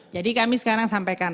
jadi kami sekarang sampaikan